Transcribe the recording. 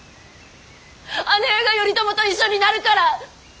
姉上が頼朝と一緒になるから！